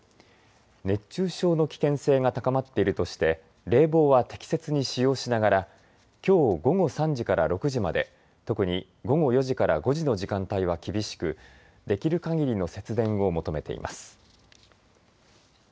熱中症の危険性が高まっているとして冷房は適切に使用しながらきょう午後３時から６時まで、特に午後４時から５時の時間帯は厳しく、できるかぎりの節電を求めています。